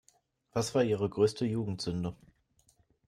Was war Ihre größte Jugendsünde?